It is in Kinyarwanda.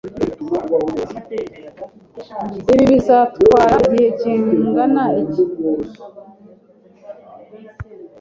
Ibi bizatwara igihe kingana iki?